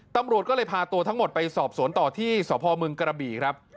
ตำรวจก็เลยพาตัวทั้งหมดไปสอบสวนต่อที่สพมกระบี่ครับ